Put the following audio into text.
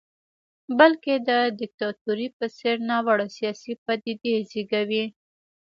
بلکې د دیکتاتورۍ په څېر ناوړه سیاسي پدیدې زېږوي.